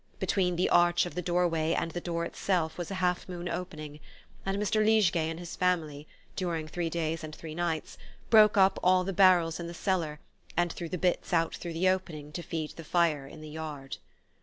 Between the arch of the doorway and the door itself was a half moon opening; and Mr. Liegeay and his family, during three days and three nights, broke up all the barrels in the cellar and threw the bits out through the opening to feed the fire in the yard.